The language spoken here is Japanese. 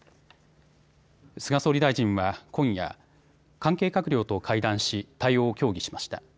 菅総理大臣は今夜、関係閣僚と会談し対応を協議しました。